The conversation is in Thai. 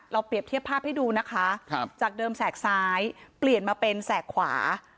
เปรียบเทียบภาพให้ดูนะคะจากเดิมแสกซ้ายเปลี่ยนมาเป็นแสกขวา